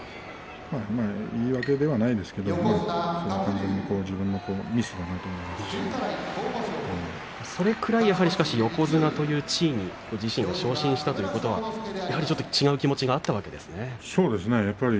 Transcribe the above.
言い訳ではないですけれどそれくらい横綱という地位に昇進したということは気持ちに違うものがあったわけですね。